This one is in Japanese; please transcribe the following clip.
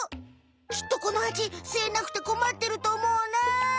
きっとこのハチすえなくて困ってるとおもうな。